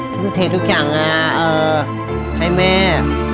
ทุกอย่างให้แม่